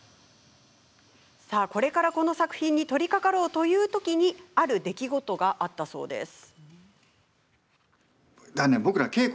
さあ、これからこの作品に取りかかろうというときにある出来事があったそうです。